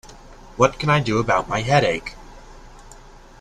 What can I do about my headache?